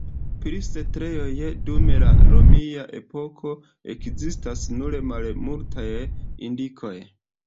Pri setlejoj dum la romia epoko ekzistas nur malmultaj indikoj.